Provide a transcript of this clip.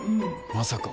まさか。